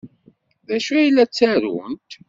D acu ay la ttarunt?